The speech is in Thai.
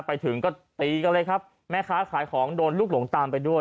ไปถึงก็ตีกันเลยครับแม่ค้าขายของโดนลูกหลงตามไปด้วย